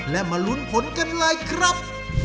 และมาลุ้นผลกันเลยครับ